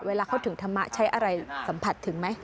เวลาเขาถึงธรรมะใช้อะไรสัมผัสถึงไหม